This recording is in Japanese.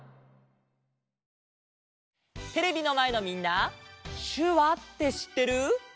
テレビのまえのみんな「しゅわ」ってしってる？